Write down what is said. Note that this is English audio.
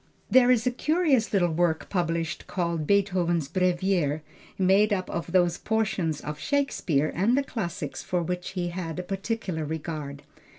There is a curious little work published called Beethoven's Brevier, made up of those portions of Shakespeare and the classics for which he had a particular regard.